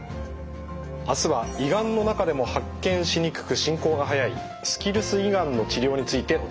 あすは胃がんの中でも発見しにくく進行が早いスキルス胃がんの治療についてお伝えします。